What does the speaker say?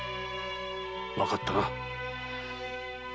分かったな。